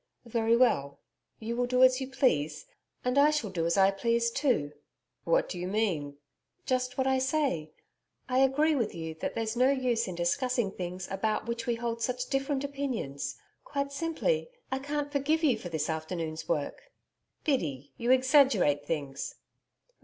'Very well. You will do as you please, and I shall do as I please, too.' 'What do you mean?' 'Just what I say. I agree with you that there's no use in discussing things about which we hold such different opinions. Quite simply, I can't forgive you for this afternoon's work.' 'Biddy, you exaggerate things.'